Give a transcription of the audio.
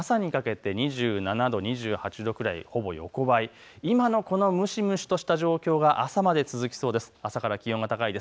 朝にかけて２７度、２８度、ほぼ横ばい、今のこの蒸し蒸しとした状況が朝まで続きそうです。